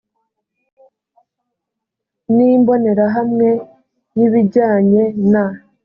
n imbonerahamwe y ibijyanye na